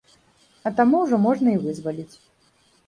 А таму ўжо можна і вызваліць.